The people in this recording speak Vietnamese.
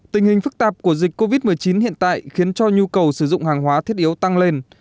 tình hình phức tạp của dịch covid một mươi chín hiện tại khiến cho nhu cầu sử dụng hàng hóa thiết yếu tăng lên